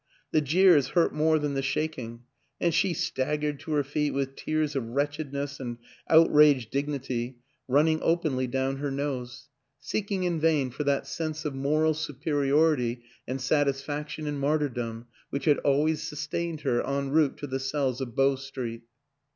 The jeers hurt more than the shaking, and she staggered to her feet with tears of wretchedness and outraged dignity running 94 WILLIAM AN ENGLISHMAN openly down her nose seeking in vain for that sense of moral superiority and satisfaction in martyrdom which had always sustained her en route to the cells of Bow Street.